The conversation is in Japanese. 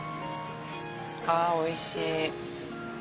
あおいしい。